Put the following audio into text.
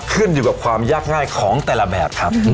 ขึ้นอยู่กับความยากง่ายของแต่ละแบบครับ